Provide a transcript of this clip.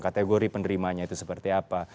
kategori penerimanya itu seperti apa